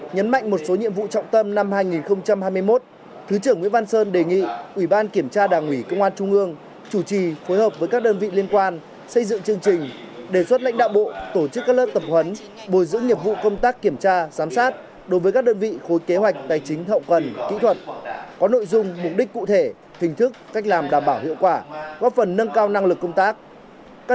nhấn mạnh một số nhiệm vụ trọng tâm năm hai nghìn hai mươi một thứ trưởng nguyễn văn sơn đề nghị ủy ban kiểm tra đảng ủy công an trung ương chủ trì phối hợp với các đơn vị liên quan xây dựng chương trình đề xuất lệnh đạo bộ tổ chức các lớp tập huấn bồi giữ nhiệm vụ công tác kiểm tra giám sát đối với các đơn vị khối kế hoạch tài chính hậu cần kỹ thuật có nội dung mục đích cụ thể hình thức cách làm đảm bảo hiệu quả góp phần nâng cao năng lực công tác